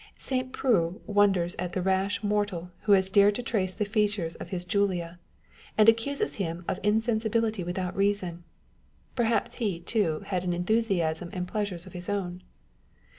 St. Preux wonders at the rash mortal who had dared to trace the features of his Julia; and accuses him of insensibility without reason. Perhaps he, too, had an enthusiasm and pleasures of his own!